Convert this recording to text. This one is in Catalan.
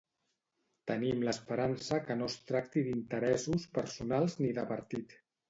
Tenim l'esperança que no es tracti d'interessos personals ni de partit.